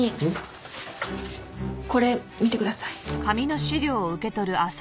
これ見てください。